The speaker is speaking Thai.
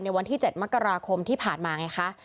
วันที่๗มกราคมที่ผ่านมาไงคะ